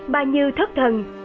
ba như thất thần